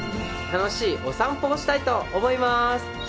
楽しいお散歩をしたいと思います！